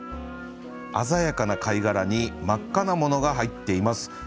鮮やかな貝殻に真っ赤なものが入っています。